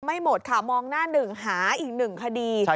ไม่หมดค่ะมองหน้าหนึ่งหาอีกหนึ่งคดี